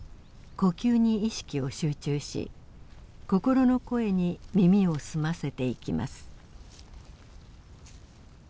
「呼吸」に意識を集中し心の声に耳を澄ませていきます。